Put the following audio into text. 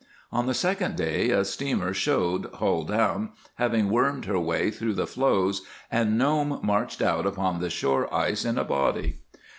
On the second day a steamer showed, hull down, having wormed her way through the floes, and Nome marched out upon the shore ice in a body.